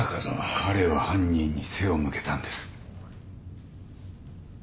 彼は犯人に背を向けたんです。